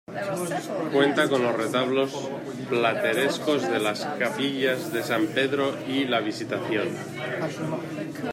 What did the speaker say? Cuenta con los retablos platerescos de las capillas de San Pedro y la Visitación.